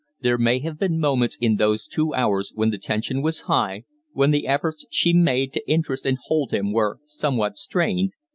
There may have been moments in those two hours when the tension was high, when the efforts she made to interest and hold him were somewhat strained.